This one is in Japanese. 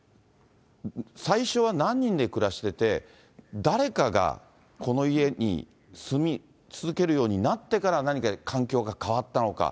最初は何人で暮らしてて、誰かがこの家に住み続けるようになってから何か環境が変わったのか。